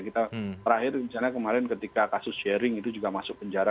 kita terakhir misalnya kemarin ketika kasus sharing itu juga masuk penjara